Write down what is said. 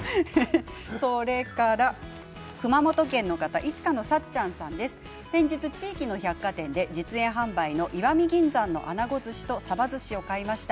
それから熊本県の方先日地域の百貨店で実演販売の石見銀山の、あなごずしとさばずしを買いました。